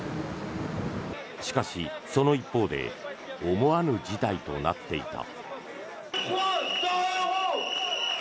しかし、その一方で思わぬ事態となっていた。